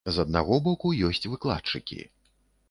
З аднаго боку, ёсць выкладчыкі.